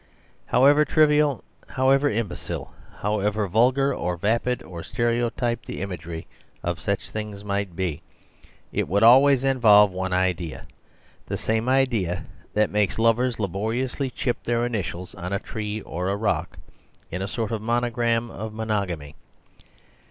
However trivial, however im becile, however vulgar or vapid or stereo typed the imagery of such things might be, it would always involve one idea, the same idea that makes lovers laboriously chip their ini tials on a tree or a rock, in a sort of monogram of monogamy.